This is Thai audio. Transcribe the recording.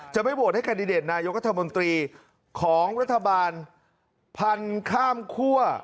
ไม่โหวตให้แคนดิเดตนายกัธมนตรีของรัฐบาลพันธุ์ข้ามคั่ว